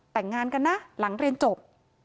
แต่งงานกันนะหลังเรียนจบ